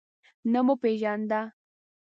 نه مو پیژانده.